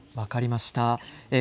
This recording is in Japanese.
はい、分かりました。